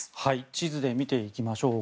地図で見ていきましょう。